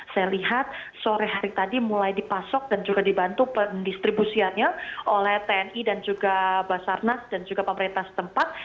saya lihat sore hari tadi mulai dipasok dan juga dibantu pendistribusiannya oleh tni dan juga basarnas dan juga pemerintah setempat